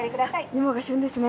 今が旬ですね。